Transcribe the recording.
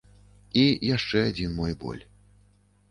І яшчэ адзін мой боль.